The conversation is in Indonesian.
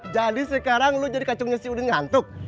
jadi sekarang lo jadi kacungnya si udin ngantuk